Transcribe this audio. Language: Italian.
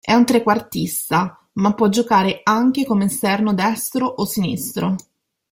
È un trequartista, ma può giocare anche come esterno destro o sinistro.